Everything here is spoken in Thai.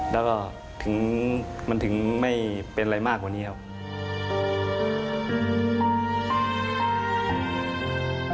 แล้วก็ถึงมันถึงไม่เป็นอะไรมากกว่านี้ครับ